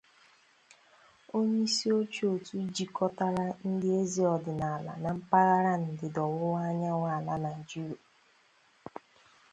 onyeisioche òtù jikọtara ndị eze ọdịnala na mpaghara ndịda-ọwụwa anyanwụ ala Nigeria